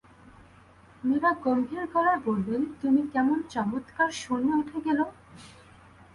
মীরা গম্ভীর গলায় বললেন, তুমি কেমন চমৎকার শূন্যে উঠে গেলো!